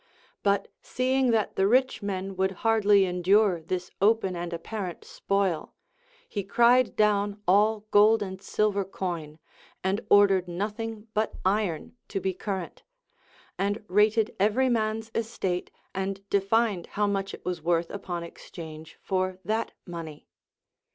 But seeing that the rich men would hardly endure this open and apparent spoil, he cried down all gokl and silver coin, and ordered nothing but iron to be current ; and rated every man's estate and defined how much it was worth upon exchange for that money.